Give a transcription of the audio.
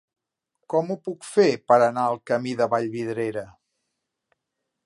Com ho puc fer per anar al camí de Vallvidrera?